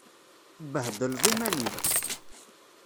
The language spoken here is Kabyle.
Tebbhedleḍ iman-im.